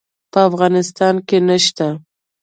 په افغانستان کې نشته